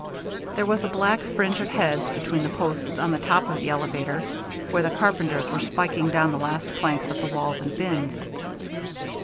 There was a black fringe of heads between the posts on the top of the elevator, where the carpenters were spiking down the last planks of the walls and bins.